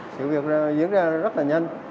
sự việc diễn ra rất là nhanh